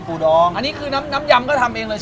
อดองอันนี้คือน้ำยำก็ทำเองเลยใช่ไหม